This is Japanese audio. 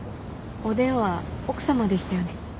お電話奥さまでしたよね。